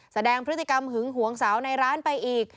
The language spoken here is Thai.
แสดงพฤติกรรมหึงหวงสาวในร้านไปอีก